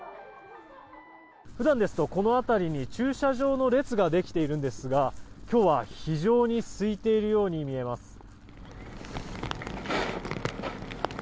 普段ですとこの辺りに駐車場の列ができているんですが今日は非常にすいているように見えます。